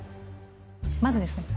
まずですね